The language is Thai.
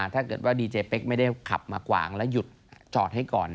ถ้าเกิดว่าดีเจเป๊กไม่ได้ขับมากวางแล้วหยุดจอดให้ก่อน